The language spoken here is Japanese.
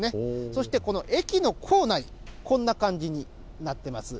そしてこの駅の構内、こんな感じになってます。